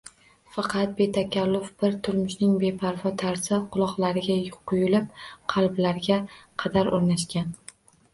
Faqat betakalluf bir turmushning beparvo tarzi quloqlariga quyilib, qalblariga qadar o'rnashgan.